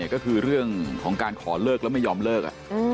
ก็คือเรื่องของการขอเลิกแล้วไม่ยอมเลิก